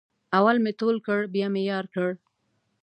اول مې تول کړ بیا مې یار کړ.